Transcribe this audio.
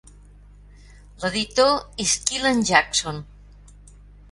L'editor és Kyeland Jackson.